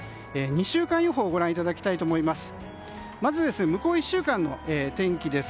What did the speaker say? ２週間予報をご覧いただきたいと思います。